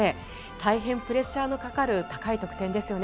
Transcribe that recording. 大変プレッシャーのかかる高い得点ですね。